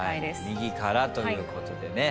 右からということでね。